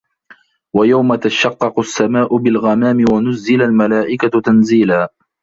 وَيَوْمَ تَشَقَّقُ السَّمَاءُ بِالْغَمَامِ وَنُزِّلَ الْمَلَائِكَةُ تَنْزِيلًا